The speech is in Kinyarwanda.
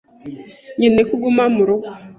nkeneye ko uguma murugo.